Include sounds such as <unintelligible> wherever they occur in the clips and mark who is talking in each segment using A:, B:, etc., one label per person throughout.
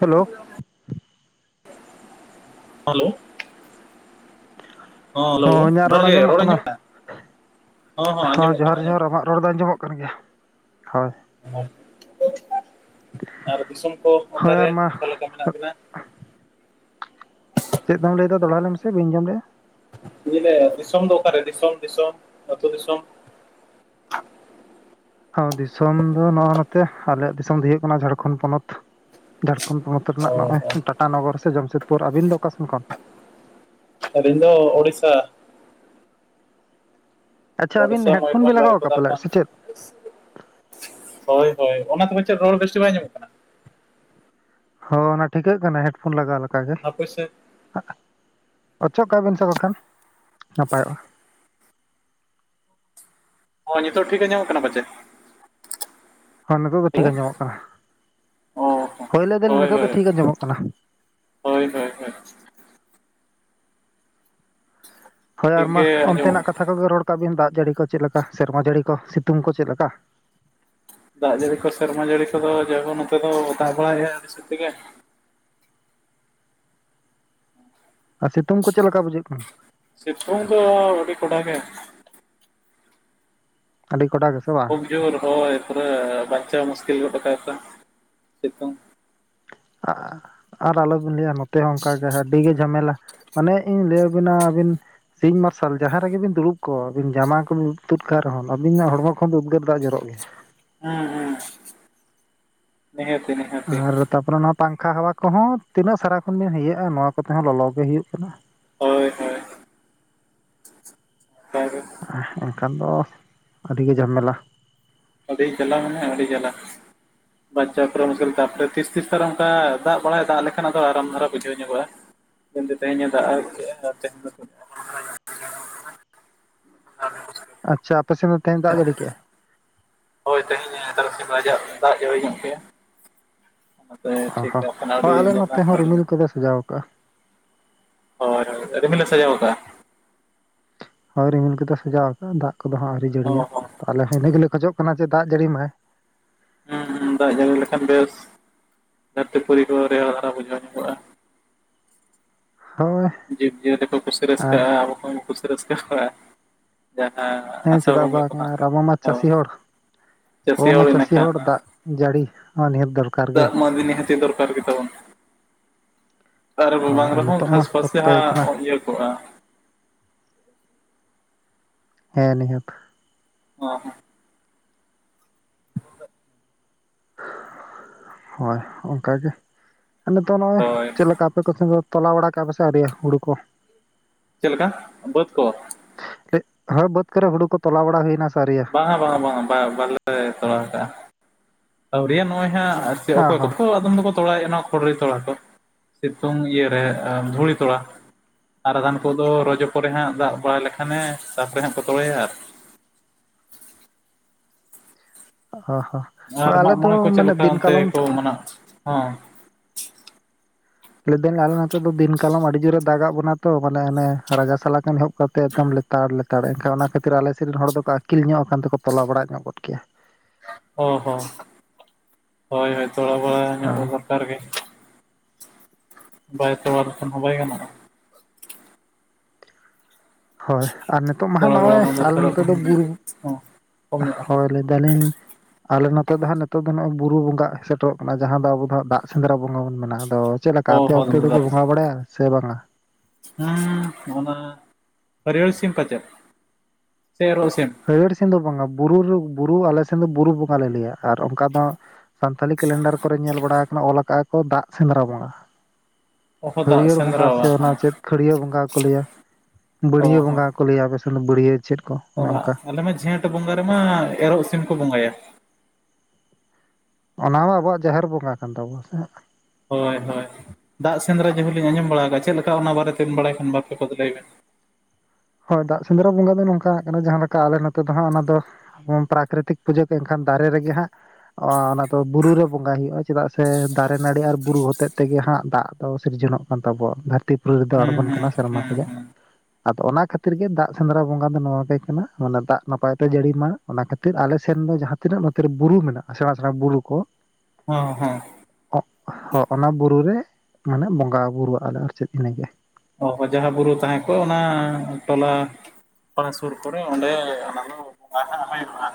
A: Hello
B: hello hello ᱡᱚᱦᱟᱨᱜᱮ ᱨᱚᱲ ᱟᱸᱡᱚᱢᱚᱜ ᱠᱟᱱᱟ ᱦᱚᱸ ᱦᱚᱸ ᱟᱸᱡᱚᱢᱚᱜ ᱠᱟᱱᱟ
A: ᱡᱚᱦᱟᱨ
B: ᱟᱸᱡᱚᱢᱚᱜ
A: ᱡᱚᱦᱟᱨ
B: ᱠᱟᱱᱟ
A: ᱟᱢᱟᱜ ᱨᱚᱲ ᱫᱚ ᱟᱸᱡᱚᱢᱚᱜ ᱠᱟᱱ ᱜᱮᱭᱟ ᱦᱳᱭ
B: ᱟᱨ ᱫᱤᱥᱚᱢ ᱠᱚ
A: ᱦᱳᱭ
B: ᱚᱠᱟᱨᱮ
A: ᱟᱨ ᱢᱟ
B: ᱚᱠᱟᱞᱮᱠᱟ ᱢᱮᱱᱟᱜ ᱵᱤᱱᱟ
A: ᱪᱮᱫ ᱫᱚᱢ ᱞᱮᱭᱫᱟ ᱫᱚᱦᱲᱟ ᱞᱟᱹᱭ ᱢᱮᱥᱮ ᱵᱤᱧ ᱡᱚᱢ ᱞᱮᱜᱼᱟ
B: ᱤᱧ ᱞᱟᱹᱭᱮᱜᱼᱟ <inaudible> ᱫᱤᱥᱚᱢ ᱫᱚ ᱚᱠᱟᱨᱮ ᱫᱤᱥᱚᱢ ᱫᱤᱥᱚᱢ ᱟᱹᱛᱩ ᱫᱤᱥᱚᱢ
A: ᱚ ᱫᱤᱥᱚᱢ ᱫᱚ ᱱᱚᱜ ᱱᱚᱛᱮ ᱟᱞᱮᱭᱟᱜ ᱫᱤᱥᱚᱢ ᱦᱳᱭᱳᱜ ᱠᱟᱱᱟ ᱡᱷᱟᱲᱠᱷᱚᱱ ᱯᱚᱱᱚᱛ ᱡᱷᱟᱲᱠᱷᱚᱱ ᱯᱚᱱᱚᱛ
B: ᱚ
A: ᱨᱮᱱᱟᱜ ᱱᱚᱜᱼᱚᱭ ᱴᱟᱴᱟᱱᱚᱜᱚᱨ ᱥᱮ ᱡᱟᱢᱥᱮᱫᱽᱯᱩᱨ ᱟᱹᱵᱤᱱ ᱫᱚ ᱚᱠᱟ ᱥᱮᱱ ᱠᱷᱚᱱ
B: ᱟᱹᱞᱤᱧ ᱫᱚ ᱚᱲᱤᱥᱟ
A: ᱟᱪᱪᱷᱟ ᱟᱹᱵᱤᱱ
B: ᱚᱲᱤᱥᱟ
A: ᱦᱮᱰᱯᱷᱳᱱ ᱵᱤᱱ
B: ᱢᱚᱭᱩᱨᱵᱷᱚᱸᱡᱽ
A: ᱞᱟᱜᱟᱣ ᱟᱠᱟᱫ
B: ᱵᱟᱹᱨᱤᱯᱟᱫᱟ
A: ᱯᱟᱞᱮᱫ
B: ᱠᱷᱚᱱ
A: ᱥᱮ ᱪᱮᱫ
B: ᱦᱳᱭ ᱦᱳᱭ ᱚᱱᱟ ᱛᱚᱵᱮ ᱪᱮᱫ ᱨᱚᱲ ᱵᱮᱥᱴᱷᱤᱠ ᱵᱟᱭ ᱟᱸᱡᱚᱢᱚᱜ ᱠᱟᱱᱟ
A: ᱦᱚ ᱚᱱᱟ ᱴᱷᱤᱠᱟᱹᱜ ᱠᱟᱱᱟ ᱦᱮᱰᱯᱷᱳᱱ ᱞᱟᱜᱟᱣ ᱞᱮᱠᱟ ᱜᱮ
B: ᱟᱯᱮᱥᱮᱫ
A: ᱚᱪᱚᱜ ᱠᱟᱜ ᱵᱤᱱ ᱥᱮ ᱵᱟᱠᱷᱟᱱ ᱱᱟᱯᱟᱭᱚᱜᱼᱟ
B: ᱦᱚ ᱱᱤᱛᱚᱜ ᱴᱷᱤᱠ ᱟᱸᱡᱚᱢᱚᱜ ᱠᱟᱱᱟ ᱯᱟᱪᱮ
A: ᱦᱚ ᱱᱤᱛᱚᱜ ᱫᱚ ᱴᱷᱤᱠ ᱟᱸᱡᱚᱢᱚᱜ ᱠᱟᱱᱟ
B: ᱚ
A: ᱦᱳᱭ ᱞᱟᱹᱫᱟᱹᱱ ᱱᱤᱛᱚᱜ ᱫᱚ ᱴᱷᱤᱠ ᱟᱸᱡᱚᱢᱚᱜ ᱠᱟᱱᱟ
B: ᱦᱳᱭ ᱦᱳᱭ ᱦᱳᱭ
A: ᱦᱳᱭ
B: ᱴᱷᱤᱠ
A: ᱟᱨᱢᱟ
B: ᱜᱮ ᱟᱸᱡᱚᱢᱚᱜ
A: ᱚᱱᱛᱮᱱᱟᱜ
B: ᱠᱟᱱᱟ᱾
A: ᱠᱟᱛᱷᱟ ᱠᱚᱜᱮ ᱨᱚᱲ ᱠᱟᱜ ᱵᱤᱱ ᱫᱟᱜ ᱡᱟᱹᱲᱤ ᱠᱚ ᱪᱮᱫ ᱞᱮᱠᱟ ᱥᱮᱨᱢᱟ ᱡᱟᱹᱲᱤ ᱠᱚ ᱥᱤᱛᱩᱝ ᱠᱚ ᱪᱮᱫ ᱞᱮᱠᱟ
B: ᱫᱟᱜ ᱡᱟᱹᱲᱤ ᱠᱚ ᱥᱮᱨᱢᱟ ᱡᱟᱹᱲᱤ ᱠᱚᱫᱚ ᱡᱟᱣᱜᱮ ᱱᱚᱛᱮ ᱫᱚ ᱫᱟᱜ ᱵᱟᱲᱟᱭᱮᱜᱼᱟᱭ ᱟᱹᱰᱤ ᱥᱟᱹᱛᱛᱤ <unintelligible> ᱜᱮ
A: ᱟᱨ ᱥᱤᱛᱩᱝ ᱠᱚ ᱪᱮᱫ ᱞᱮᱠᱟ ᱵᱩᱡᱷᱟᱹᱜ ᱠᱟᱱᱟ
B: ᱥᱮᱛᱩᱝ ᱫᱚ ᱟᱹᱰᱤ ᱠᱚᱰᱟ ᱜᱮ
A: ᱟᱹᱰᱤ ᱠᱚᱰᱟ ᱜᱮ
B: ᱠᱷᱩᱵ ᱡᱳᱨ ᱦᱳᱭ ᱯᱩᱨᱮ ᱵᱟᱧᱪᱟᱣ ᱢᱩᱥᱠᱤᱞ ᱜᱚᱫ ᱠᱟᱜᱼᱫᱟᱭ ᱥᱤᱛᱩᱝ
A: ᱟᱨ ᱟᱞᱚᱵᱤᱱ ᱞᱟᱹᱭᱟ ᱱᱚᱛᱮ ᱦᱚᱸ ᱚᱱᱠᱟᱜᱮ ᱟᱹᱰᱤ ᱜᱮ ᱡᱷᱟᱢᱮᱞᱟ ᱢᱟᱱᱮ ᱤᱧ ᱞᱟᱹᱭ ᱟᱹᱵᱤᱱᱟ ᱟᱹᱵᱤᱱ ᱥᱤᱧ ᱢᱟᱨᱥᱟᱞ ᱡᱟᱦᱟᱸ ᱨᱮᱜᱮᱵᱤᱱ ᱫᱩᱲᱩᱵ ᱠᱚᱜ ᱟᱹᱵᱤᱱ ᱡᱟᱢᱟ ᱠᱚᱵᱤᱱ ᱛᱩᱫ ᱠᱟᱜ ᱨᱮᱦᱚᱸ ᱟᱵᱤᱱᱟᱜ ᱦᱚᱲᱢᱚ ᱠᱷᱚᱱ ᱫᱚ ᱩᱫᱽᱜᱟᱹᱨ ᱫᱟᱜ ᱡᱚᱨᱚᱜ ᱜᱮ
B: ᱦᱟᱸ ᱦᱟᱸ ᱱᱤᱦᱟᱹᱛ ᱜᱮ ᱱᱤᱦᱟᱹᱛ ᱜᱮ
A: ᱟᱨ ᱛᱟᱯᱚᱨᱮ ᱱᱚᱣᱟ ᱯᱟᱝᱠᱷᱟ ᱦᱟᱣᱟ ᱠᱚᱦᱚᱸ ᱛᱤᱱᱟᱹᱜ ᱥᱟᱨᱟ ᱠᱷᱚᱱ ᱵᱤᱱ ᱤᱭᱟᱹᱜᱼᱟ ᱱᱚᱣᱟ ᱠᱚᱛᱮᱦᱚᱸ ᱞᱚᱞᱚ ᱜᱮ ᱦᱩᱭᱩᱜ ᱠᱟᱱᱟ
B: ᱦᱳᱭ ᱦᱳᱭ ᱦᱮᱸ <inaudible>
A: ᱮᱱᱠᱷᱟᱱ ᱫᱚ ᱟᱹᱰᱤᱜᱮ ᱡᱷᱟᱢᱮᱞᱟ
B: ᱚᱰᱤᱧ <inaudible> ᱪᱟᱞᱟᱣᱱᱟ ᱟᱹᱰᱤ ᱡᱟᱞᱟ ᱟᱪᱪᱷᱟ ᱯᱨᱚ <unintelligible> ᱢᱩᱥᱟᱹᱞᱛᱟ <unintelligible> ᱛᱚ ᱛᱤᱥ ᱛᱤᱥ ᱚᱝᱠᱟ ᱫᱟᱜ ᱵᱟᱲᱟᱭ ᱫᱟᱜ ᱞᱮᱠᱷᱟᱱ ᱟᱫᱚ ᱟᱨᱟᱢ ᱫᱷᱟᱨᱟ ᱵᱩᱡᱷᱟᱹᱣ ᱧᱚᱜᱚᱜᱼᱟ ᱛᱮᱦᱮᱱ ᱫᱚ ᱛᱮᱦᱮᱧᱮ ᱫᱟᱜ ᱠᱮᱜᱼᱟ ᱟᱨᱛᱮ <inaudible> ᱟᱨ <inaudible>
A: ᱟᱪᱪᱷᱟ ᱟᱯᱟᱥᱮᱱ ᱫᱚ ᱛᱮᱦᱮᱧ ᱫᱟᱜ ᱡᱟᱹᱲᱤ ᱠᱮᱜᱼᱟᱭ
B: ᱦᱳᱭ ᱛᱮᱦᱮᱧᱮ ᱛᱟᱨᱟᱥᱤᱧ ᱵᱟᱭᱡᱟᱜ <inaudible> ᱫᱟᱜ ᱡᱟᱹᱲᱤ ᱜᱚᱜ ᱠᱮᱜᱼᱟ ᱚᱱᱟᱛᱮ ᱴᱷᱤᱠ
A: ᱚᱦᱚ
B: ᱟᱠᱟᱱᱟ
A: ᱦᱳᱭ
B: ᱟᱹᱰᱤ
A: ᱟᱞᱮ
B: ᱡᱟᱞᱟ
A: ᱱᱚᱛᱮ ᱦᱚᱸ
B: ᱟᱹᱰᱤ
A: ᱨᱤᱢᱤᱞ ᱠᱚᱫᱚᱭ ᱥᱟᱡᱟᱣᱠᱟᱜᱼᱟ
B: ᱦᱳᱭ ᱦᱳᱭ ᱨᱤᱢᱤᱞᱮ ᱥᱟᱡᱟᱣ ᱠᱟᱜᱼᱟ
A: ᱦᱳᱭ ᱨᱤᱢᱤᱞ ᱠᱚᱫᱚ ᱥᱟᱡᱟᱣ ᱠᱟᱜᱼᱟ ᱫᱟᱜ ᱠᱚᱫᱚ ᱦᱟᱸᱜ ᱟᱹᱣᱨᱤ
B: ᱚ
A: ᱡᱟᱹᱲᱤᱭᱟ
B: ᱦᱚᱸ
A: ᱛᱚ ᱟᱞᱮᱦᱚᱸ ᱤᱱᱟᱹ ᱜᱮᱞᱮ ᱠᱷᱚᱡᱚᱜ ᱠᱟᱱᱟ ᱡᱮ ᱫᱟᱜ ᱡᱟᱹᱲᱤ ᱢᱟᱭ
B: ᱦᱚᱸ ᱦᱚᱸ ᱫᱟᱜ ᱡᱟᱹᱲᱤ ᱞᱮᱠᱷᱟᱱ ᱵᱮᱥ ᱫᱷᱟᱹᱨᱛᱤᱯᱩᱨᱤ ᱠᱚ ᱨᱮᱭᱟᱲ ᱫᱷᱟᱨᱟ ᱵᱩᱡᱷᱟᱹᱣ ᱧᱚᱜᱚᱜᱼᱟ
A: ᱦᱳᱭ
B: ᱡᱤᱵᱽᱡᱤᱭᱟᱹᱞᱤ ᱠᱚ ᱠᱩᱥᱤ
A: ᱟᱨ
B: ᱨᱟᱹᱥᱠᱟᱹᱜᱼᱟ ᱟᱵᱚ ᱠᱚᱸᱦᱚ ᱠᱩᱥᱤ ᱨᱟᱹᱥᱠᱟᱹᱜᱼᱟ ᱡᱟᱦᱟᱸ
A: ᱦᱮᱸ
B: ᱟᱥᱟ
A: ᱪᱮᱫᱟᱜ
B: ᱵᱚᱸᱜᱟ
A: ᱵᱟᱝ
B: ᱠᱚ ᱦᱟᱸᱜ
A: ᱟᱨ ᱟᱵᱚ ᱢᱟ
B: ᱦᱳᱭ
A: ᱪᱟᱹᱥᱤ ᱦᱚᱲ ᱟᱵᱚ ᱢᱟ ᱪᱟᱹᱥᱤ ᱦᱚᱲ ᱫᱟᱜ ᱡᱟᱹᱲᱤ ᱦᱚᱸ ᱱᱤᱦᱟᱹᱛ ᱫᱚᱨ
B: ᱫᱟᱜ ᱦᱚᱸ ᱢᱤ ᱱᱤᱦᱟᱹᱛᱤ ᱫᱚᱨᱠᱟᱨ ᱜᱮ ᱛᱟᱵᱚᱱ ᱟᱨ
A: ᱦᱳᱭ
B: ᱵᱟᱝ ᱨᱮᱦᱚᱸ
A: ᱱᱤᱛᱚᱜ ᱢᱟ
B: ᱜᱷᱟᱥᱯᱟᱥ ᱡᱟᱦᱟ
A: ᱚᱠᱛᱚᱭ ᱠᱟᱱᱟ
B: ᱤᱭᱟᱹ ᱠᱚᱜᱼᱟ
A: ᱦᱮᱸ ᱱᱤᱦᱟᱹᱛ
B: ᱚ ᱦᱚᱸ <unintelligible>
A: ᱦᱳᱭ ᱚᱱᱠᱟ ᱜᱮ ᱟᱞᱮ ᱫᱚ ᱱᱚᱜᱼᱚᱭ
B: ᱦᱳᱭ
A: ᱪᱮᱫᱞᱮᱠᱟ ᱟᱯᱮ ᱠᱚ ᱥᱮᱱ ᱫᱚ ᱛᱚᱞᱟ ᱵᱟᱲᱟ ᱠᱮᱜ-ᱟ ᱯᱮ ᱥᱮ ᱟᱣᱨᱤᱭᱟ ᱦᱩᱲᱩ ᱠᱚ
B: ᱪᱮᱫ ᱞᱮᱠᱟ ᱵᱟᱹᱛ ᱠᱚ
A: ᱦᱳᱭ ᱵᱟᱹᱫᱽ ᱠᱚᱨᱮ ᱦᱩᱲᱩ ᱠᱚ ᱛᱚᱞᱟ ᱵᱟᱲᱟ ᱦᱩᱭᱱᱟ ᱥᱮ ᱟᱣᱨᱤᱭᱟ
B: ᱵᱟᱝ-ᱟ ᱵᱟᱝ-ᱟ ᱵᱟᱝ-ᱟ ᱵᱟᱭ ᱵᱟᱞᱮ ᱛᱚᱲᱟᱣ ᱠᱟᱜ-ᱟ ᱟᱣᱲᱤᱭᱟ ᱱᱚᱜᱼᱚᱭ ᱦᱟᱜ <unintelligible> ᱟᱲᱥᱤ
A: ᱚ
B: ᱚᱠᱚᱭ
A: ᱦᱚᱸ
B: ᱠᱚᱠᱚ ᱟᱫᱚᱢ ᱫᱚᱠᱚ ᱛᱚᱲᱟᱭᱮᱫᱼᱟ ᱚᱱᱟ ᱠᱷᱚᱲᱤ ᱛᱚᱲᱟ ᱠᱚ ᱥᱤᱛᱩᱝ ᱤᱭᱟᱹᱨᱮ ᱫᱷᱩᱲᱤ ᱛᱚᱲᱟ ᱟᱨ ᱟᱫᱷᱟᱱ ᱠᱚᱫᱚ ᱨᱚᱡᱚ ᱯᱚᱨᱮ ᱦᱟᱸᱜ ᱫᱟᱜ ᱵᱟᱲᱟᱭ ᱞᱮᱠᱷᱟᱱᱮ ᱛᱟᱯᱚᱨᱮ ᱦᱟᱸᱜ ᱯᱮ ᱛᱚᱞᱟᱭᱟ
A: ᱚ ᱦᱚᱸ ᱦᱳᱭ
B: ᱟᱨ
A: ᱟᱞᱮ
B: ᱢᱟᱜᱽ
A: ᱫᱚ
B: ᱢᱚᱬᱮ ᱠᱚ ᱪᱮᱫ
A: ᱢᱟᱱᱮ
B: ᱞᱮᱠᱟ
A: ᱫᱤᱱ
B: ᱚᱱᱛᱮ
A: ᱠᱟᱞᱚᱢ
B: ᱠᱚ ᱢᱟᱱᱟᱣ-ᱟ ᱦᱚᱸ
A: ᱞᱮᱫᱤᱧ ᱟᱞᱮ ᱱᱚᱛᱮ ᱫᱚ ᱫᱤᱱ ᱠᱟᱞᱚᱢ ᱟᱹᱰᱤ ᱡᱳᱨᱮ ᱫᱟᱜ ᱟᱜ ᱵᱚᱱᱟ ᱛᱚ ᱵᱚᱞᱮ ᱦᱟᱱᱮ ᱨᱟᱡᱟ ᱥᱟᱞᱟ ᱠᱷᱚᱱ ᱮᱦᱚᱵ ᱠᱟᱛᱮᱜ ᱮᱠᱫᱚᱢ ᱛᱟᱲ ᱞᱮᱛᱟᱲ ᱮᱱᱠᱷᱟᱱ ᱚᱱᱟ ᱠᱷᱟᱹᱛᱤᱨ ᱟᱞᱮᱥᱮᱫ ᱨᱮᱱ ᱦᱚᱲ ᱫᱚᱠᱚ ᱟᱹᱠᱤᱞ ᱧᱚᱜ ᱟᱠᱟᱱ ᱛᱮᱠᱚ ᱛᱚᱞᱟ ᱵᱟᱲᱟ ᱧᱚᱜ ᱜᱚᱫ ᱠᱮᱜ-ᱟ
B: ᱚ ᱦᱚ ᱦᱳᱭ ᱦᱳᱭᱛᱚ ᱛᱚᱲᱟ ᱵᱟᱲᱟ ᱧᱚᱜ
A: ᱦᱳᱭ
B: ᱫᱚ ᱫᱚᱨᱠᱟᱨ ᱜᱮ ᱵᱟᱭ ᱛᱚᱞᱟ ᱞᱮᱱᱠᱷᱟᱱ ᱦᱚᱸ ᱵᱟᱭ ᱜᱟᱱᱚᱜ-ᱟ
A: ᱦᱳᱭ ᱟᱨ ᱱᱤᱛᱚᱜ ᱢᱟ ᱦᱟᱜ
B: ᱛᱚᱲᱟ ᱵᱟᱲᱟ
A: ᱱᱚᱜᱼᱚᱭ ᱟᱞᱮ
B: ᱫᱚᱨᱠᱟᱨᱚᱜ
A: ᱱᱚᱛᱮ
B: ᱠᱟᱱ
A: ᱫᱚ ᱵᱩᱨᱩ
B: ᱦᱚᱸ ᱠᱚᱢ ᱧᱚᱜ ᱟᱨᱠᱤ
A: ᱦᱳᱭ ᱫᱟᱞᱮᱱ ᱟᱞᱮ ᱱᱚᱛᱮ ᱫᱚ ᱦᱟᱸᱜ ᱱᱤᱛᱚᱜ ᱫᱚ ᱱᱚᱜᱼ ᱚᱭ ᱵᱩᱨᱩ ᱵᱚᱸᱜᱟ ᱥᱮᱴᱮᱨᱚᱜ ᱠᱟᱱᱟ ᱡᱟᱦᱟᱸ ᱫᱚ ᱟᱵᱚ ᱫᱚ ᱦᱟᱸᱜ ᱫᱟᱜ ᱥᱮᱸᱫᱽᱨᱟ ᱵᱚᱸᱜᱟ ᱵᱚᱱ ᱢᱮᱱᱟ ᱟᱫᱚ ᱪᱮᱫ ᱞᱮᱠᱟ
B: ᱚ
A: ᱟᱯᱮ
B: ᱦᱚᱸ
A: ᱚᱱᱛᱮ ᱫᱚᱠᱚ ᱵᱚᱸᱜᱟ ᱵᱟᱲᱟᱭᱟ ᱥᱮ ᱵᱟᱝᱟ?
B: ᱦᱮᱸ ᱚᱱᱟ ᱦᱟᱹᱨᱭᱟᱹᱲ ᱥᱤᱢ ᱯᱟᱪᱮᱫ ᱥᱮ ᱮᱨᱚᱜ ᱥᱤᱢ
A: ᱦᱟᱹᱭᱨᱟᱹᱲ ᱥᱤᱢ ᱫᱚ ᱵᱟᱝ-ᱟ, ᱵᱩᱨᱩᱨ ᱵᱩᱨᱩ ᱟᱞᱮ ᱥᱮᱱ ᱫᱚ ᱵᱩᱨᱩ ᱵᱚᱸᱜᱟ ᱞᱮ ᱞᱟᱹᱭᱟ ᱟᱨ ᱚᱱᱠᱟ ᱫᱚ ᱥᱟᱱᱛᱟᱞᱤ ᱠᱮᱞᱮᱱᱰᱟᱨ ᱠᱚᱨᱮ ᱧᱮᱞ ᱵᱟᱲᱟ ᱟᱠᱟᱱᱟ ᱚᱞ ᱠᱟᱜ-ᱟ ᱠᱚ ᱫᱟᱜ ᱥᱮᱸᱫᱽᱨᱟ ᱵᱚᱸᱜᱟ
B: <inaudible>
A: ᱦᱟᱹᱭᱨᱟᱹᱲ ᱵᱚᱸᱜᱟ
B: ᱥᱮᱸᱫᱽᱨᱟ
A: ᱥᱮ ᱚᱱᱟ
B: ᱦᱚᱸ
A: ᱪᱮᱫ ᱠᱷᱟᱹᱲᱭᱟᱹ ᱵᱚᱸᱜᱟ ᱠᱚ ᱞᱟᱹᱭᱟ
B: ᱚ
A: ᱵᱟᱹᱲᱭᱟᱹ
B: ᱦᱚᱸ
A: ᱵᱚᱸᱜᱟ ᱠᱚ ᱞᱟᱹᱭᱟ ᱵᱮᱥ ᱚᱱᱟ ᱵᱟᱹᱲᱤᱭᱟᱹ ᱪᱮᱫ ᱠᱚ
B: ᱚ
A: ᱚᱱᱮ
B: ᱦᱟᱸᱜ
A: ᱚᱱᱠᱟ
B: ᱟᱞᱮ ᱢᱟ ᱡᱷᱮᱸᱴ ᱵᱚᱸᱜᱟ ᱨᱮᱢᱟ ᱮᱨᱚᱜ ᱥᱤᱢ ᱠᱚ ᱵᱚᱸᱜᱟᱭᱟ
A: ᱚᱱᱟ ᱢᱟ ᱟᱵᱚᱣᱟᱜ ᱡᱟᱦᱮᱨ ᱵᱚᱸᱜᱟ ᱠᱟᱱ ᱛᱟᱵᱚᱱᱟ ᱥᱮ
B: ᱦᱳᱭ ᱦᱳᱭ ᱫᱟᱜ ᱥᱮᱸᱫᱽᱨᱟ ᱡᱮᱦᱚ ᱞᱤᱧ ᱟᱸᱡᱚᱢ ᱵᱟᱲᱟ ᱟᱠᱟᱫ ᱪᱮᱫ ᱞᱮᱠᱟ ᱚᱱᱟ ᱵᱟᱨᱮᱛᱮᱢ ᱵᱟᱲᱟᱭ ᱠᱷᱟᱱ ᱵᱟᱨᱯᱮ ᱠᱚ ᱞᱟᱹᱭ ᱢᱮ
A: ᱦᱳᱭ ᱫᱟᱜ ᱥᱮᱸᱫᱽᱨᱟ ᱵᱚᱸᱜᱟ ᱫᱚ ᱱᱚᱝᱠᱟ ᱟᱠᱟᱱᱟ ᱡᱟᱸᱦᱟᱞᱮᱠᱟ ᱟᱞᱮ ᱱᱚᱛᱮ ᱫᱚ ᱦᱟᱸᱜ ᱚᱱᱟ ᱫᱚ ᱦᱚᱸ ᱯᱨᱟᱠᱨᱤᱛᱤᱠ ᱯᱩᱡᱟᱹ ᱫᱚ ᱮᱱᱠᱷᱟᱱ ᱫᱟᱨᱮ ᱨᱮᱜᱮ ᱦᱟᱸᱜ ᱚ ᱚᱱᱟ ᱫᱚ ᱵᱩᱨᱩ ᱨᱮ ᱵᱚᱸᱜᱟᱭ ᱦᱩᱭᱩᱜᱼᱟ ᱪᱮᱫᱟᱜ ᱥᱮ ᱫᱟᱨᱮ ᱱᱟᱹᱲᱤ ᱟᱨ ᱵᱩᱨᱩ ᱦᱚᱛᱮᱡ ᱛᱮᱜᱮ ᱦᱟᱸᱜ ᱫᱟᱜ ᱫᱚ ᱥᱤᱨᱡᱚᱱ ᱚᱜ ᱠᱟᱱ ᱛᱟᱵᱚᱣᱟ ᱫᱷᱟᱹᱨᱛᱤ ᱯᱩᱨᱤ ᱨᱮᱫᱚ
B: ᱦᱩᱸ
A: ᱟᱬᱜᱚᱱ ᱠᱟᱱᱟ
B: ᱦᱩᱸ
A: ᱥᱮᱨᱢᱟ
B: ᱦᱩᱸ
A: ᱛᱮᱜᱮ ᱟᱫᱚ ᱚᱱᱟ ᱠᱷᱟᱹᱛᱤᱨ ᱜᱮ ᱫᱟᱜ ᱥᱮᱸᱫᱽᱨᱟ ᱵᱚᱸᱜᱟ ᱫᱚ ᱱᱚᱣᱟ ᱜᱮ ᱠᱟᱱᱟ ᱚᱱᱮ ᱫᱟᱜ ᱱᱟᱯᱟᱭ ᱛᱮ ᱡᱟᱹᱲᱤ ᱢᱟ ᱚᱱᱟ ᱠᱷᱟᱹᱛᱤᱨ ᱟᱞᱮ ᱥᱮᱱ ᱫᱚ ᱡᱟᱦᱟ ᱛᱤᱱᱟᱹᱜ ᱱᱚᱛᱮᱨᱮ ᱵᱩᱨᱩ ᱢᱮᱱᱟᱜᱼᱟ ᱥᱮᱬᱟ ᱥᱮᱬᱟ ᱵᱩᱨᱩ ᱠᱚ
B: ᱦᱚᱸ ᱦᱚᱸ
A: ᱚᱜ ᱦᱚᱸ ᱚᱱᱟ ᱵᱩᱨᱩ ᱨᱮ ᱢᱟᱱᱮ ᱵᱚᱸᱜᱟ ᱵᱩᱨᱩᱣᱟᱜ-ᱟ ᱞᱮ ᱟᱨ ᱪᱮᱫ ᱤᱱᱟᱹᱜᱮ᱾
B: ᱚ ᱡᱟᱦᱟᱸ ᱵᱩᱨᱩ ᱛᱟᱦᱮᱸ ᱠᱚᱜ-ᱟ ᱚᱱᱟ ᱴᱚᱞᱟ ᱚᱱᱟ ᱥᱩᱨ ᱠᱚᱨᱮ ᱚᱸᱰᱮ ᱚᱱᱟᱫᱚ ᱚᱱᱟ ᱦᱟᱜ ᱦᱩᱭᱩᱜ-ᱟ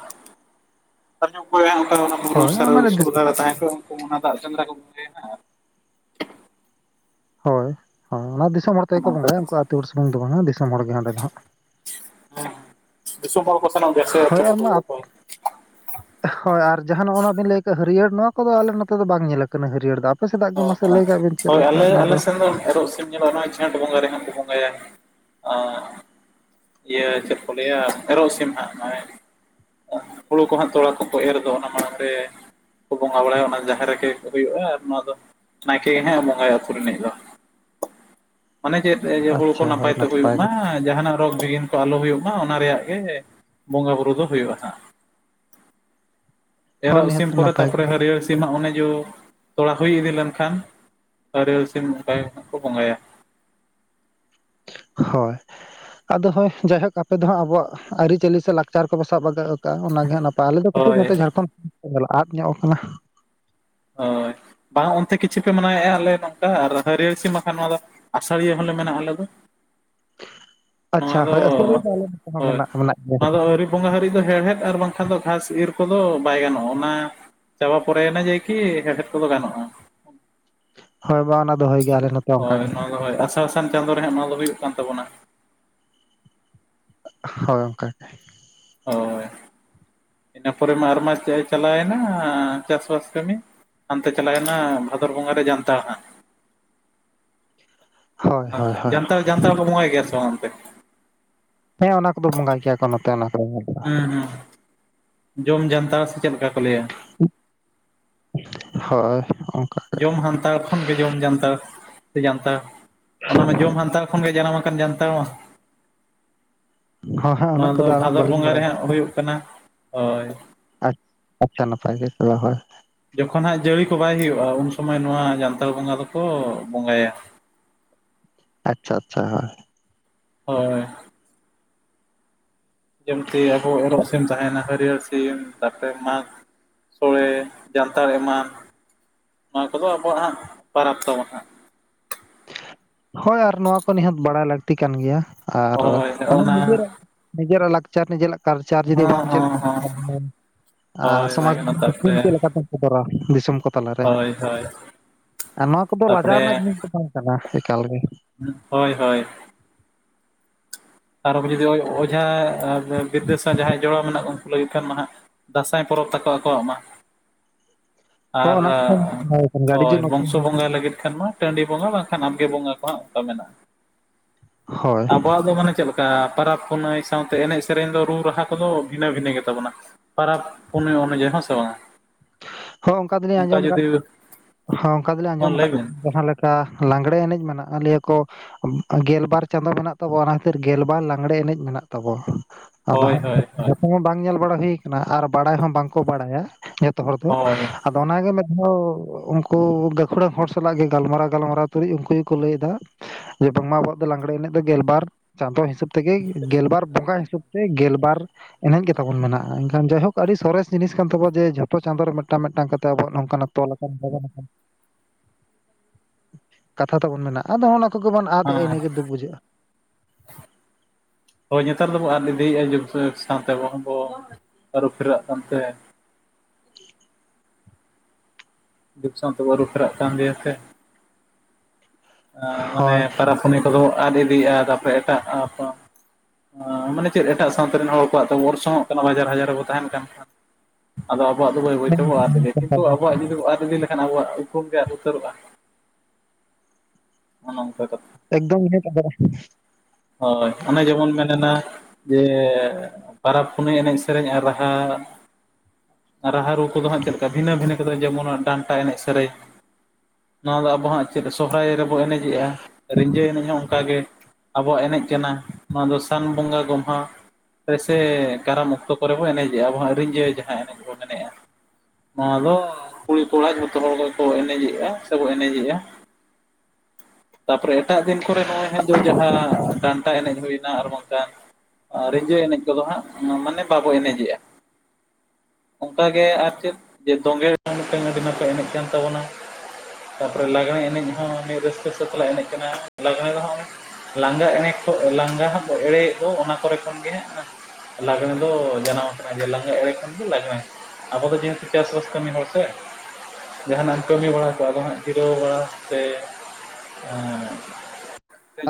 B: ᱟᱨ ᱚᱠᱚᱭ ᱦᱟᱜ ᱚᱱᱠᱟ ᱫᱚ ᱚᱱᱟ ᱵᱩᱨᱩ
A: ᱦᱳᱭ
B: ᱥᱩᱨ
A: ᱢᱟᱱᱮ
B: ᱨᱮ ᱛᱟᱦᱮᱸ ᱠᱚᱜ-ᱟ ᱩᱱᱠᱩ ᱚᱱᱟ ᱫᱟᱜ ᱥᱮᱱᱫᱽᱨᱟ ᱠᱚ ᱵᱚᱸᱜᱟ ᱭᱟ ᱦᱟᱸᱜ
A: ᱦᱳᱭ ᱦᱳᱭ ᱚᱱᱟ ᱫᱤᱥᱚᱢ ᱦᱚᱲ
B: ᱚᱱᱮ
A: ᱛᱮᱜᱮᱠᱚ
B: ᱚᱱᱠᱟ
A: ᱵᱚᱸᱜᱟᱭᱟ ᱩᱱᱠᱩ
B: ᱠᱟᱛᱷᱟ
A: ᱟᱹᱛᱩ ᱦᱚᱲ ᱥᱩᱢᱩᱝ ᱫᱚ ᱵᱟᱝ-ᱟ ᱫᱤᱥᱚᱢ ᱦᱚᱲᱜᱮ ᱦᱟᱸᱰᱮ ᱫᱚ ᱦᱟᱜ
B: ᱦᱮᱸ ᱫᱤᱥᱚᱢ ᱦᱚᱲ ᱠᱚ ᱥᱟᱞᱟᱜ ᱫᱮᱥᱮ ᱟᱪᱷᱟ
A: ᱦᱳᱭ
B: ᱠᱚ
A: ᱟᱨ
B: <unintelligible> ᱜᱟᱯᱟᱞ
A: ᱢᱟ
B: ᱢᱟᱨᱟᱜ-ᱟ
A: ᱦᱳᱭ ᱟᱨ ᱡᱟᱦᱟᱱ ᱱᱟᱵᱱ ᱞᱟᱹᱭ ᱠᱟᱜ ᱦᱟᱹᱨᱭᱟᱹᱲ ᱱᱚᱣᱟ ᱠᱚᱫᱚ ᱟᱞᱮ ᱱᱚᱛᱮ ᱫᱚ ᱵᱟᱝ ᱧᱮᱞ ᱟᱠᱟᱱᱟ ᱦᱟᱹᱨᱭᱟᱹᱲ ᱫᱚ ᱟ
B: ᱚ ᱦᱚᱸ ᱦᱳᱭ ᱟᱞᱮ ᱟᱞᱮ ᱥᱮᱱ ᱫᱚ ᱮᱨᱚᱜ ᱥᱤᱢ ᱧᱮᱞᱚᱜ-ᱟ ᱱᱟᱜ ᱡᱷᱮᱸᱴ ᱵᱚᱸᱜᱟ ᱨᱮ ᱦᱟᱜ ᱠᱚ ᱵᱚᱸᱜᱟᱭᱟ ᱟᱨ ᱤᱭᱟᱹ ᱪᱮᱫ ᱠᱚ ᱞᱟᱹᱭᱟ ᱮᱨᱚᱜ ᱥᱤᱢ ᱦᱟᱸᱜ ᱱᱚᱜᱚᱭ ᱦᱩᱲᱩ ᱠᱚ ᱦᱟᱸᱜ ᱛᱚᱲᱟ ᱠᱚᱠᱚ ᱮᱨ ᱫᱚ ᱚᱱᱟ ᱢᱟᱲᱟᱝ ᱨᱮ ᱠᱚ ᱵᱚᱸᱜᱟ ᱵᱟᱲᱟᱭᱟ ᱚᱱᱟ ᱡᱟᱦᱮ ᱨᱮ ᱜᱮ ᱦᱩᱭᱩᱜᱼᱟ ᱟᱨ ᱱᱚᱣᱟ ᱫᱚ ᱱᱟᱭᱠᱮ ᱦᱮᱸ ᱵᱚᱸᱜᱟᱭᱟ ᱟᱹᱛᱩ ᱨᱤᱱᱤᱡ ᱫᱚ ᱚᱱᱮ ᱪᱮᱫ ᱮ ᱡᱮ ᱦᱩᱲᱩ ᱠᱚ
A: ᱟᱪᱪᱷᱟ ᱦᱳᱭ
B: ᱱᱟᱯᱟᱭ ᱛᱮ ᱦᱳᱭᱳᱜ
A: ᱜᱮ
B: ᱢᱟ ᱡᱟᱦᱟ ᱱᱟᱜ ᱨᱳᱜ ᱵᱤᱜᱷᱤᱱ ᱠᱚ ᱟᱞᱚ ᱦᱳᱭᱳᱜ ᱢᱟ ᱚᱱᱟ ᱨᱮᱭᱟᱜ ᱜᱮ ᱵᱚᱸᱜᱟ ᱵᱩᱨᱩ ᱫᱚ ᱦᱩᱭᱩᱜᱼᱟ ᱦᱟᱸᱜ
A: ᱦᱳᱭ
B: ᱮᱨᱚᱜ
A: ᱱᱤᱦᱟᱹᱛ
B: ᱥᱤᱢ ᱯᱚᱨᱮ
A: ᱱᱟᱯᱟᱭ ᱜᱮ
B: ᱛᱟᱨᱯᱮ ᱦᱟᱹᱨᱭᱟ. ᱲ ᱥᱤᱢᱟᱜ ᱚᱱᱮ ᱡᱚ ᱛᱚᱲᱟ ᱦᱩᱭ ᱤᱫᱤ ᱞᱮᱱᱠᱷᱟᱱ ᱦᱟ. ᱨᱭᱟ. ᱲ ᱥᱤᱢ ᱚᱱᱠᱟ ᱠᱚ ᱵᱚᱸᱜᱟᱭᱟ
A: ᱦᱳᱭ ᱟᱫᱚ ᱦᱳᱭ ᱡᱟᱭ ᱦᱳᱠ ᱟᱯᱮ ᱫᱚ ᱦᱟᱸᱜ ᱟᱵᱚᱣᱟᱜ ᱟᱹᱨᱤ ᱪᱟᱹᱞᱤ ᱥᱮ ᱞᱟᱠᱪᱟᱨ ᱠᱚᱵᱚ ᱥᱟᱵ ᱚᱱᱟ ᱜᱮ ᱦᱟᱝ ᱱᱟᱯ ᱟᱞᱮ ᱫᱚ ᱠᱟᱹᱴᱤᱡ
B: ᱦᱳᱭ
A: ᱱᱚᱛᱮ ᱡᱷᱟᱲᱠᱷᱚᱸᱰ ᱠᱷᱚᱱ ᱟᱫ ᱧᱚᱜ ᱠᱟᱱᱟ
B: ᱦᱳᱭ ᱵᱟᱝ ᱚᱱᱛᱮ ᱠᱤᱪᱷᱩ ᱯᱮ ᱢᱟᱱᱟᱣ ᱮᱫᱼᱟ ᱟᱞᱮ ᱱᱚᱝᱠᱟ ᱟᱨ ᱦᱟᱹᱨᱭᱟᱹᱲ ᱥᱤ ᱵᱟᱠᱷᱟᱱ ᱱᱚᱣᱟ ᱫᱚ ᱟᱥᱟᱲᱤᱭᱟᱹ ᱦᱚᱸᱞᱮ ᱢᱮᱱᱟᱜᱼᱟ ᱟᱞᱮ ᱫᱚ ᱱᱚᱣᱟ
A: ᱟᱪᱪᱷᱟ
B: ᱫᱚ
A: ᱦᱳᱭ ᱟᱹᱥᱟᱹᱲᱤ ᱫᱚ ᱟᱞᱮ ᱱᱚᱛᱮ ᱦᱚᱸ
B: ᱦᱳᱭ
A: ᱢᱮᱱᱟᱜ ᱢᱮᱱᱟᱜ
B: ᱚᱱᱟ
A: ᱜᱮᱭᱟ
B: ᱫᱚ ᱟᱹᱣᱨᱤ ᱵᱚᱸᱜᱟ ᱦᱟᱹᱨᱤᱡ ᱫᱚ ᱦᱮᱲᱦᱮᱫ ᱟᱨ ᱵᱟᱝᱠᱷᱟᱱ ᱫᱚ ᱜᱷᱟᱥ ᱤᱨ ᱠᱚᱫᱚ ᱵᱟᱭ ᱜᱟᱱᱚᱜᱼᱟ ᱚᱱᱟ ᱪᱟᱵᱟ ᱯᱚᱨᱮ ᱠᱤ ᱦᱮᱲᱦᱮᱫ ᱠᱚᱫᱚ ᱜᱟᱱᱚᱼᱟ
A: ᱦᱳᱭ ᱵᱟᱝ ᱚᱱᱟ ᱫᱚ ᱦᱳᱭ ᱜᱮ ᱟᱞᱮ ᱱᱚᱛᱮ ᱚᱱᱠᱟ
B: ᱦᱳᱭ
A: ᱜᱮ
B: ᱱᱚᱣᱟ ᱫᱚ ᱦᱳᱭ ᱟᱥᱟᱲ ᱥᱟᱱ ᱪᱟᱸᱫᱳ ᱨᱮ ᱦᱟᱸᱜ ᱱᱚᱣᱟ ᱫᱚ ᱦᱳᱭᱳᱜ ᱠᱟᱱ ᱛᱟᱵᱚᱱᱟ
A: ᱦᱳᱭ ᱚᱱᱠᱟ ᱜᱮ
B: ᱦᱳᱭ ᱤᱱᱟᱹ ᱯᱚᱨᱮ ᱢᱟ ᱟᱨᱢᱟ ᱪᱟᱞᱟᱣᱮᱱᱟ ᱪᱟᱥᱵᱟᱥ ᱠᱟᱹᱢᱤ ᱦᱟᱱᱛᱮ ᱪᱟᱞᱟᱣᱮᱱᱟ ᱵᱷᱟᱫᱚᱨ ᱵᱚᱸᱜᱟ ᱨᱮ ᱡᱟᱱᱛᱷᱟᱲ
A: ᱦᱳᱭ ᱦᱳᱭ ᱦᱳᱭ
B: ᱡᱟᱱᱛᱷᱟᱲ ᱡᱟᱱᱛᱷᱟᱲ ᱠᱚ ᱵᱚᱸᱜᱟᱭ ᱜᱮᱭᱟ ᱥᱮᱵᱟᱝ ᱚᱱᱛᱮ
A: ᱦᱮᱸ ᱚᱱᱟ ᱠᱚᱫᱚ ᱵᱚᱸᱜᱟ ᱜᱮᱭᱟ ᱚᱱᱟᱛᱮ ᱱᱟ
B: ᱦᱮᱸ ᱦᱮᱸ ᱡᱚᱢ ᱡᱟᱱᱛᱷᱟᱲ ᱥᱮ ᱪᱮᱫ ᱞᱮᱠᱟ ᱠᱚ ᱞᱟᱹᱭᱟ
A: ᱦᱳᱭ
B: ᱡᱚᱢ ᱦᱟᱱᱛᱟᱲ ᱠᱷᱚᱱ ᱜᱮ ᱡᱚᱢ ᱡᱟᱱᱛᱲ ᱥᱮ ᱡᱟᱱᱛᱷᱟᱲ ᱚᱱᱟᱢᱟ ᱡᱚᱢ ᱦᱟᱱᱛᱟᱲ ᱠᱷᱚᱱᱜᱮ ᱡᱟᱱᱟᱢ ᱟᱠᱟᱱ ᱡᱟᱱᱛᱷᱟᱲ ᱢᱟ
A: ᱦᱚᱸ ᱦᱟᱸᱜ
B: ᱱᱚᱣᱟ
A: ᱩᱱᱟᱹᱜ
B: ᱫᱚ
A: ᱠᱚᱫᱚ ᱟᱨ
B: ᱵᱷᱟᱫᱚᱨ
A: ᱵᱟᱹᱞᱤᱧ
B: ᱵᱚᱸᱜᱟ ᱨᱮ
A: ᱵᱟᱲᱟᱭᱟ
B: ᱦᱟᱸᱜ ᱦᱩᱭᱩᱜ ᱠᱟᱱᱟ ᱦᱳᱭ
A: ᱟᱪ ᱟᱪᱪᱷᱟ ᱱᱟᱯᱟᱭ ᱜᱮ ᱪᱚᱵ <inaudible> ᱦᱳᱭ
B: ᱡᱚᱠᱷᱚᱱ ᱦᱟᱸᱜ ᱡᱟᱹᱲᱤ ᱠᱚ ᱵᱟᱭ ᱦᱩᱭᱩᱜᱼᱟ ᱩᱱ ᱥᱚᱢᱚᱭ ᱱᱚᱣᱟ ᱡᱟᱱᱛᱷᱟᱲ ᱵᱚᱸᱜᱟ ᱫᱚᱠᱚ ᱵᱚᱸᱜᱟᱭᱟ
A: ᱟᱪᱪᱷᱟ ᱟᱪᱪᱷᱟ
B: ᱦᱳᱭ ᱡᱮᱢᱛᱤ ᱟᱵᱚ ᱮᱨᱚᱜ ᱥᱤᱢ ᱛᱟᱦᱮᱱᱟ ᱦᱟᱹᱨᱭᱟᱹᱲ ᱥᱤᱢ ᱛᱟᱯᱚᱨᱮ ᱢᱟᱜᱷ ᱥᱳᱲᱮ ᱡᱟᱱᱛᱷᱟᱲ ᱮᱢᱟᱱ ᱱᱚᱣᱟ ᱠᱚᱫᱚ ᱟᱵᱚᱣᱟᱜ ᱦᱟᱸᱜ ᱯᱟᱨᱟᱵᱽ ᱛᱟᱵᱚᱱ ᱦᱟᱸᱜ
A: ᱦᱳᱭ ᱟᱨ ᱱᱚᱣᱟ ᱠᱚ ᱱᱤᱦᱟᱹᱛ ᱵᱟᱲᱟᱭ ᱞᱟᱹᱠᱛᱤ ᱠᱟᱱ ᱜᱮᱭᱟ ᱟᱨ
B: ᱦᱳᱭ
A: ᱢᱟᱱᱮ
B: ᱚᱱᱟ
A: ᱱᱤᱡᱮᱨᱟᱜ ᱱᱤᱡᱮᱨᱟᱜ ᱞᱟᱠᱪᱟᱨ ᱱᱤᱡᱮᱨᱟᱜ ᱠᱟᱞᱪᱟᱨ ᱡᱩᱫᱤ
B: ᱦᱚᱸ
A: ᱵᱟᱢ ᱪᱮᱫ
B: ᱦᱚᱸ ᱦᱚᱸ ᱦᱳᱭ ᱚᱱᱟ ᱠᱟᱱᱟ
A: ᱥᱚᱢᱟᱡᱩᱢ
B: ᱛᱟᱨᱯᱚᱨᱮ
A: ᱪᱮᱫ ᱞᱮᱠᱟᱛᱮ ᱚᱨᱟ ᱫᱤᱥᱚᱢ ᱠᱚ ᱛᱟᱞᱟᱨᱮ
B: ᱦᱳᱭ ᱦᱳᱭ
A: ᱟᱨ ᱱᱚᱣᱟ ᱠᱚᱫᱚ ᱞᱟᱡᱟᱣ
B: ᱛᱟᱯᱚᱨᱮ
A: ᱨᱮᱱᱟᱜ ᱡᱤᱱᱤᱥ ᱫᱚ ᱵᱟᱝ ᱠᱟᱱᱟ ᱮᱠᱟᱞ ᱜᱮ
B: ᱦᱳᱭ ᱦᱳᱭ ᱟᱨ ᱡᱩᱫᱤ ᱚᱡᱷᱟ ᱵᱤᱨᱫᱮᱥ ᱡᱟᱦᱟᱸᱭ ᱡᱚᱲᱟᱣ ᱢᱮᱱᱟᱜ ᱠᱚ ᱩᱱᱠᱩ ᱞᱟᱹᱜᱤᱫ ᱠᱷᱟᱱ ᱢᱟ ᱦᱟᱜ ᱫᱟᱸᱥᱟᱭ ᱯᱚᱨᱚᱵᱽ ᱛᱟᱠᱚ ᱟᱠᱚᱣᱟᱜ ᱢᱟ
A: ᱦᱚᱸ
B: ᱟᱨ
A: ᱚᱱᱟ ᱠᱚᱫᱚ ᱜᱟᱹᱰᱤ ᱡᱩ
B: ᱦᱳᱭ
A: ᱱᱚᱛᱮ
B: ᱵᱚᱝᱥᱚ
A: ᱦᱚᱸ
B: ᱵᱚᱸᱜᱟᱭ ᱞᱟᱹᱜᱤᱫ ᱠᱷᱟᱱ ᱢᱟ ᱴᱟᱺᱰᱤ ᱵᱚᱸᱜᱟ ᱵᱟᱝᱠᱷᱟᱱ ᱟᱵᱜᱮ ᱵᱚᱸᱜᱟ ᱠᱚᱦᱟᱜ ᱚᱱᱠᱟ ᱢᱮᱱᱟᱜᱼᱟ
A: ᱦᱳᱭ
B: ᱟᱵᱚᱣᱟᱜ ᱫᱚ ᱢᱟᱱᱮ ᱪᱮᱫ ᱞᱮᱠᱟ ᱯᱚᱨᱟᱵᱽ ᱯᱩᱱᱟᱹᱭ ᱥᱟᱶᱛᱮ ᱮᱱᱮᱡ ᱥᱮᱨᱮᱧ ᱫᱚ ᱨᱩ ᱨᱟᱦᱟ ᱠᱚᱫᱚ ᱵᱷᱤᱱᱟᱹ ᱵᱷᱤᱱᱟᱹ ᱜᱮᱛᱟ ᱵᱚᱱᱟ ᱯᱟᱨᱟᱵᱽ ᱯᱩᱱᱟᱹᱭ ᱚᱱᱩᱡᱟᱭᱤ ᱦᱮᱸ ᱥᱮ ᱵᱟᱝ
A: ᱦᱚᱸ ᱚᱱᱠᱟ ᱫᱚᱞᱤᱧ ᱟᱸᱡᱚᱢ ᱟᱠᱟᱫ ᱦᱚᱸ ᱚᱱᱠᱟ ᱫᱚᱞᱤᱧ ᱟᱸᱡᱚᱢ
B: ᱞᱟᱹᱭ
A: ᱟᱠᱟᱫ
B: ᱵᱤᱱ
A: ᱡᱟᱦᱟᱸ ᱞᱮᱠᱟ ᱞᱮᱠᱟ ᱞᱟᱜᱽᱲᱮ ᱮᱱᱮᱡ ᱢᱮᱱᱟᱜᱼᱟ ᱞᱤᱭᱟᱹ ᱠᱚ ᱜᱮᱞᱵᱟᱨ ᱪᱟᱸᱫᱳ ᱢᱮᱱᱟᱜ ᱛᱟᱵᱚᱱᱟ ᱚᱱᱟ ᱠᱷᱟᱹᱛᱤᱨ ᱜᱮᱞᱵᱟᱨ ᱞᱟᱝᱜᱽᱲᱮ ᱮᱱᱮᱡ ᱢᱮᱱᱟᱜ ᱛᱟᱵᱚᱱᱟ᱾ ᱟᱫᱚ
B: ᱦᱳᱭ
A: ᱦᱟᱸᱜ
B: ᱦᱳᱭ ᱦᱳᱭ
A: ᱡᱷᱚᱛᱚ ᱵᱟᱝ ᱧᱮᱞ ᱵᱟᱲᱟ ᱦᱩᱭ ᱟᱠᱟᱱᱟ ᱟᱨ ᱵᱟᱲᱟᱭ ᱦᱚᱸ ᱵᱟᱝᱠᱚ ᱵᱟᱲᱟᱭᱟ ᱡᱷᱚᱛᱚ ᱦᱚᱲ ᱫᱚ
B: ᱦᱳᱭ
A: ᱟᱫᱚ ᱚᱱᱟᱜᱮ ᱢᱤᱫ ᱫᱷᱟᱣ ᱩᱱᱠᱩ ᱜᱟᱹᱠᱷᱩᱲᱟᱹ ᱦᱚᱲ ᱥᱟᱞᱟᱜ ᱜᱮ ᱜᱟᱞᱢᱟᱨᱟᱣ ᱜᱟᱞᱢᱟᱨᱟᱣ ᱛᱩᱞᱩᱡ ᱩᱱᱠᱩ ᱜᱮᱠᱚ ᱞᱟᱹᱭ ᱫᱟ, ᱡᱮ ᱵᱟᱝᱢᱟ ᱟᱵᱚᱣᱟᱜ ᱫᱚ ᱞᱟᱜᱽᱲᱮ ᱮᱱᱮᱡ ᱫᱚ ᱜᱮᱞᱵᱟᱨ ᱪᱟᱸᱫᱳ ᱦᱤᱥᱟᱹᱵ ᱛᱮᱜᱮ ᱜᱮᱞᱵᱟᱨ ᱵᱚᱸᱜᱟ ᱦᱤᱥᱟᱹᱵ ᱜᱮᱞᱵᱟᱨ ᱮᱱᱮᱡ ᱜᱮᱛᱟᱵᱚᱱ ᱢᱮᱱᱟᱜᱼᱟ, ᱮᱱᱠᱷᱟᱱ ᱡᱟᱭᱦᱳᱠ ᱟᱹᱰᱤ ᱥᱚᱨᱮᱥ ᱡᱤᱱᱤᱥ ᱠᱟᱱ ᱛᱟᱵᱱᱟ ᱡᱮ ᱡᱷᱚᱛᱚ ᱪᱟᱸᱫᱳ ᱨᱮ ᱢᱤᱫᱴᱟᱝ ᱢᱤᱫᱴᱟᱝ ᱠᱟᱛᱮ ᱟᱵᱚᱣᱟᱜ ᱱᱚᱝᱠᱟᱱᱟᱜ ᱛᱚᱞ ᱟᱠᱟᱱ ᱛᱟᱵᱚᱱᱟ᱾ ᱠᱟᱛᱷᱟ ᱛᱟᱵᱚᱱ ᱢᱮᱱᱟ ᱟᱫᱚ ᱚᱱᱟ ᱠᱚᱜᱮ ᱵᱚᱱ ᱟᱫᱮᱜᱼᱟ
B: ᱦᱮᱸ
A: ᱤᱱᱟᱹᱜᱮ ᱫᱩᱠ ᱵᱩᱡᱷᱟᱹᱜᱼᱟ᱾
B: ᱦᱳᱭ ᱱᱮᱛᱟᱨ ᱫᱚᱵᱚᱱ ᱟᱫ ᱤᱫᱤᱭᱮᱫᱼᱟ ᱡᱮ ᱥᱟᱶᱛᱮ ᱟᱵᱚ ᱦᱚᱸᱵᱚ ᱟᱹᱨᱩ ᱯᱷᱮᱨᱟᱜ ᱠᱟᱱᱛᱮ, ᱫᱩᱠ ᱥᱟᱶᱛᱮ ᱵᱚ ᱟᱨᱩᱯᱷᱮᱨᱟᱜ ᱠᱟᱱ ᱫᱤᱭᱟᱛᱮ ᱢᱟᱱᱮ
A: ᱦᱳᱭ
B: ᱯᱚᱨᱟᱽᱯᱩᱱᱤ ᱠᱚᱫᱚ ᱟᱫ ᱤᱫᱤᱭᱜᱼᱟ ᱛᱟᱨᱯᱚᱨᱮ ᱮᱴᱟᱜ ᱢᱟᱱᱮ ᱪᱮᱫ ᱮᱴᱟᱜ ᱥᱟᱶᱛᱟ ᱨᱮᱱ ᱦᱚᱲ ᱠᱚᱣᱟᱜ ᱛᱚ ᱚᱨᱥᱚᱝᱚᱜ ᱠᱟᱱᱟ ᱵᱟᱡᱟᱨ ᱦᱟᱡᱟᱨ ᱨᱮᱵᱚ ᱛᱟᱦᱮᱱ ᱠᱟᱱ ᱠᱷᱟᱱ, ᱟᱫᱚ ᱟᱵᱚᱣᱟᱜ ᱫᱚ ᱵᱟᱹᱭ ᱵᱟᱹᱭᱛᱮᱟᱵᱚᱱ ᱟᱫ ᱤᱫᱤ ᱠᱤᱱᱛᱩ ᱟᱵᱚᱣᱟᱜ ᱡᱩᱫᱤ ᱟᱫ ᱤᱫ ᱞᱮᱠᱷᱟᱱ ᱟᱵᱚᱣᱟᱜᱯᱠᱩᱢ ᱜᱮ ᱟᱫ ᱩᱛᱟᱹᱨᱚᱜᱼᱟ᱾ ᱚᱱᱚ ᱚᱝᱠᱟ ᱠᱟᱮᱛ,
A: ᱮᱠᱫᱚᱢ ᱜᱮ <unintelligible>
B: ᱦᱳᱭ ᱚᱱᱮ ᱡᱮᱢᱚᱱ ᱢᱮᱱ ᱮᱱᱟ, ᱡᱮ ᱯᱟᱨᱟᱵᱽᱼ ᱯᱩᱱᱟᱹᱭ ᱮᱱᱮᱡᱼᱥᱮᱨᱮᱧ ᱟᱨ ᱨᱟᱦᱟ, ᱨᱟᱦᱟ ᱨᱩ ᱠᱚᱫᱚ ᱦᱟᱸᱜ ᱪᱮᱫ ᱞᱮᱠᱟ ᱵᱷᱤᱱᱟᱹ ᱵᱷᱤᱱᱟᱹ ᱠᱚᱫᱚ ᱡᱮᱢᱚᱱ ᱰᱟᱱᱴᱟ ᱮᱱᱮᱡᱼᱥᱮᱨᱮᱧ, ᱱᱚᱣᱟ ᱫᱚ ᱟᱵᱚ ᱦᱟᱸᱜ ᱪᱮᱫ ᱥᱚᱦᱚᱨᱟᱭ ᱨᱮᱵᱚ ᱮᱱᱮᱡᱮᱜᱼᱟ ᱨᱤᱸᱡᱟᱹ ᱮᱱᱮᱡ ᱦᱚᱸ ᱚᱱᱠᱟᱜ ᱜᱮ, ᱟᱵᱚᱣᱟᱜ ᱮᱱᱮᱡ ᱠᱟᱱᱟ ᱱᱚᱣᱟ ᱫᱚ ᱥᱟᱱ ᱵᱚᱸᱜᱟ ᱜᱚᱢᱦᱟ, ᱥᱮ ᱠᱟᱨᱟᱢ ᱚᱠᱛᱚ ᱠᱚᱨᱮ ᱵᱚᱱ ᱮᱱᱮᱡᱮᱜᱼᱟ ᱟᱵᱚ ᱟᱹᱨᱤᱧ ᱡᱟᱹ ᱡᱟᱦᱟᱸ ᱮᱱᱮᱡ ᱵᱚᱱ ᱢᱮᱱᱮᱫᱼᱟ, ᱱᱚᱣᱟ ᱫᱚ ᱠᱩᱲᱤ ᱠᱚᱲᱟ ᱡᱚᱛᱚ ᱦᱚᱲ ᱜᱮᱠᱚ ᱮᱱᱮᱡᱮᱜᱼᱟ ᱥᱮᱠᱚ ᱮᱱᱮᱡᱮᱜᱼᱟ᱾ ᱛᱟᱯᱚᱨᱮ ᱮᱴᱟᱜ ᱫᱤᱱ ᱠᱚᱨᱮ ᱱᱚᱜᱼᱚᱭ ᱦᱟᱸᱜ <unintelligible> ᱡᱟᱦᱟᱸ ᱜᱷᱟᱱᱴᱟ ᱮᱱᱮᱡ ᱦᱩᱭᱱᱟ ᱟᱨ ᱵᱟᱝᱠᱷᱟᱱ, ᱨᱸᱤᱡᱟᱹ ᱮᱱᱮᱡ ᱠᱚᱫᱚ ᱦᱟᱸᱜ ᱢᱟᱱᱮ ᱵᱟᱵᱚ ᱮᱱᱮᱡᱮᱜᱼᱟ᱾ ᱚᱱᱠᱟ ᱜᱮ ᱟᱨ ᱪᱮᱫ ᱫᱚᱝᱜᱮ ᱨᱮᱦᱚᱸ ᱢᱤᱫᱴᱟᱝ ᱟᱹᱰᱤ ᱱᱟᱯᱟᱭ ᱮᱱᱮᱡ ᱠᱟᱱ ᱛᱟᱵᱚᱱᱟ᱾ ᱛᱟᱯᱚᱨᱮ ᱞᱟᱜᱽᱲᱮ ᱮᱱᱮᱡ ᱦᱚᱸ ᱱ <unintelligible> ᱨᱟᱹᱥᱠᱟᱹ ᱥᱟᱹᱛᱞᱟᱭ ᱮᱱᱮᱡ ᱠᱟᱱᱟ, ᱞᱟᱜᱽᱲᱮ ᱨᱮᱦᱚᱸ ᱞᱟᱸᱜᱟ <unintelligible> ᱞᱟᱸᱜᱟ ᱦᱟᱸᱜ ᱮᱲᱮ ᱫᱚ ᱚᱱᱟ ᱠᱚᱨᱮ ᱠᱷᱚᱱᱜᱮ ᱦᱟᱸᱜ, ᱞᱟᱜᱽᱬᱮ ᱫᱚ ᱡᱟᱱᱟᱢ ᱠᱟᱱᱟ ᱡᱮ ᱞᱟᱜᱽᱬᱮ ᱮᱲᱮ ᱠᱷᱚᱱ ᱜᱮ ᱞᱟᱜᱽᱬᱮ ᱟᱵᱚ ᱫᱚ ᱡᱮᱦᱮᱛᱩ ᱪᱟᱥᱵᱟᱥ ᱠᱟᱹᱢᱤ ᱦᱚᱲ ᱥᱮ, ᱡᱟᱦᱟᱱᱟᱜ ᱮᱢ ᱠᱟᱹᱢᱤ ᱵᱟᱲᱟ ᱠᱟᱜ-ᱟ ᱡᱟᱸᱦᱟᱱᱟᱜ ᱡᱤᱨᱟᱹᱣ ᱵᱟᱲᱟ ᱥᱮ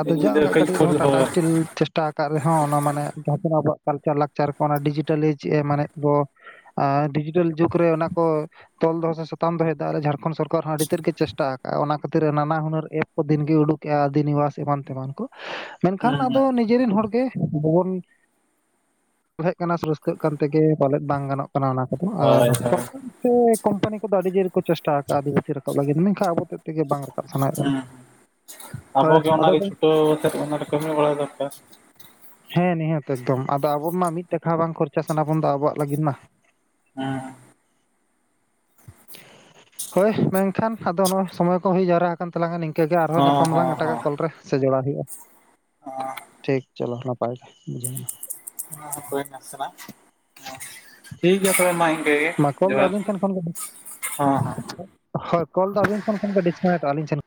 A: ᱟᱫᱚ
B: ᱧᱤᱫᱟᱹ
A: ᱡᱟᱜᱟ <unintelligible>
B: ᱠᱟᱹᱡ
A: ᱠᱟᱹᱴᱤᱡ
B: ᱠᱷᱩᱞ
A: ᱨᱮᱦᱚᱸ
B: ᱦᱳᱭ
A: ᱴᱟᱴᱟ ᱥᱤᱥᱴᱤᱞ ᱪᱮᱥᱴᱟ ᱟᱠᱟᱫ <unintelligible> ᱨᱮᱦᱚᱸ ᱚᱱᱟ ᱢᱟᱱᱮ ᱡᱟᱦᱟᱸ ᱛᱤᱱᱟᱹᱜ ᱟᱵᱚᱣᱟᱜ ᱠᱟᱞᱪᱟᱨ ᱞᱟᱠᱪᱟᱨ ᱠᱚ ᱚᱱᱟ ᱰᱤᱡᱤᱴᱮᱞᱤ ᱪᱮᱫ ᱮ ᱢᱟᱱᱮ ᱵᱚ ᱰᱤᱡᱤᱴᱮᱞ ᱡᱩᱜᱽ ᱨᱮ ᱚᱱᱟ ᱠᱚ ᱛᱚᱞ ᱫᱚᱦᱚ ᱥᱮ ᱥᱟᱛᱟᱢ ᱫᱚᱦᱚᱭᱮᱫᱟ ᱟᱞᱮ ᱡᱷᱟᱲᱠᱷᱚᱸᱰ ᱥᱚᱨ ᱠᱟᱨ ᱦᱚᱸ ᱟᱹᱰᱤ ᱛᱮᱫ ᱜᱮ ᱪᱮᱥᱴᱟ ᱟᱠᱫᱼᱟ ᱚᱱᱟ ᱠᱷᱟᱹᱛᱤᱨ ᱨᱮ ᱱᱟᱱᱟ ᱦᱩᱱᱟᱹᱨ ᱮᱯ ᱠᱚ ᱫᱤᱱᱜᱮ ᱩᱰᱩᱠᱮᱫᱼᱟ ᱟᱹᱫᱤ ᱮᱢᱟᱱ ᱛᱮᱢᱟᱱ ᱠᱚ ᱢᱮᱱᱠᱷᱟᱱ
B: ᱦᱩᱸ
A: ᱟᱫᱚ
B: ᱦᱩᱸ
A: ᱱᱤᱡᱮᱨ ᱨᱮᱱ ᱦᱚᱲ ᱜᱮ ᱟᱵᱚ ᱵᱚᱱ ᱯᱟᱞᱦᱮᱫ ᱠᱟᱱᱟ ᱥᱮ ᱨᱟᱹᱥᱠᱟᱹᱜ ᱠᱟᱱ ᱛᱮᱜᱮ ᱯᱟᱞᱮᱫ ᱵᱟᱝ ᱜᱟᱱᱚᱜ ᱜᱟᱱᱟᱜ ᱚᱱᱟ ᱱᱟ ᱠᱚᱫᱚ ᱟᱨ
B: ᱦᱳᱭ ᱦᱳᱭ
A: ᱥᱚᱨᱟᱨ <unintelligible> ᱥᱮ ᱠᱳᱢᱯᱟᱱᱤ ᱠᱚᱫᱚ ᱟᱹᱰᱤ ᱡᱳᱨ ᱜᱮ ᱠᱚ ᱪᱮᱥᱴᱟ ᱟᱠᱟᱫ ᱟᱹᱫᱤᱵᱟᱹᱥᱤ ᱨᱟᱠᱟᱵ ᱞᱟᱹᱜᱤᱫ ᱢᱮᱱᱠᱷᱟᱱ ᱟᱵᱚ ᱛᱮᱫ ᱛᱮᱜᱮ ᱵᱟᱝ ᱨᱟᱠᱟᱵ ᱥᱟᱱᱟᱭᱮᱫ ᱵᱚᱱᱟ,
B: <unintelligible>
A: <unintelligible>
B: ᱪᱷᱩᱴᱟᱹ ᱥᱮ ᱚᱱᱟ ᱨᱮ ᱠᱟᱹᱢᱤ ᱵᱟᱲᱟ ᱫᱚᱨᱠᱟᱨ᱾
A: ᱦᱮᱸ ᱱᱤᱦᱟᱹᱛ ᱮᱠᱫᱚᱢ ᱟᱫᱚ ᱟᱵᱚ ᱢᱟ ᱢᱤᱫ ᱴᱟᱠᱟ ᱦᱚᱸ ᱵᱟᱝ ᱠᱷᱚᱨᱪᱟ ᱥᱟᱱᱟ ᱵᱚᱱ ᱫᱚ ᱟᱵᱚᱣᱟᱜ ᱞᱟᱹᱜᱤᱫ ᱢᱟ᱾
B: ᱦᱮᱸ
A: ᱦᱳᱭ ᱢᱮᱱᱠᱷᱟᱱ ᱟᱫᱚ ᱱᱚᱜ ᱥᱚᱢᱚᱭ ᱠᱚ ᱦᱩᱭ ᱡᱟᱣᱨᱟ ᱠᱟᱱ ᱛᱟᱞᱟᱝᱟ ᱱᱤᱝᱠᱟᱹᱜ ᱜᱮ ᱟᱨᱦᱚᱸ
B: ᱦᱚᱸ
A: ᱧᱟᱯᱟᱢᱟᱞᱟᱝ
B: ᱦᱚᱸ
A: ᱮᱴᱟᱜᱟᱜ ᱠᱚᱞ ᱨᱮ ᱥᱮ ᱡᱚᱲᱟᱣ ᱦᱩᱭᱩᱜᱼᱟ᱾
B: ᱦᱚᱸ
A: ᱴᱷᱤᱠ ᱪᱚᱞᱚ ᱱᱟᱯᱟᱭ ᱜᱮ ᱡᱚᱦᱟᱨ᱾
B: <unintelligible> ᱴᱷᱤᱠ ᱜᱮᱭᱟ ᱛᱚᱵᱮ ᱢᱟ ᱤᱱᱠᱟᱹ ᱜᱮ
A: ᱢᱟ ᱠᱚᱞ ᱫᱚ
B: ᱡᱚᱦᱟᱨ,
A: ᱟᱹᱵᱤᱱ ᱴᱷᱮᱱ ᱠᱷᱚᱱ ᱜᱮ
B: ᱦᱮᱸ ᱦᱮᱸ᱾
A: ᱦᱳᱭ ᱠᱚᱞ ᱫᱚ ᱟᱵᱤᱱ ᱥᱮᱱ ᱠᱷᱚᱱ ᱜᱮ ᱰᱤᱥᱠᱟᱱᱮᱠᱴᱚᱜ-ᱟ ᱟᱹᱞᱤᱧ ᱥᱮᱱ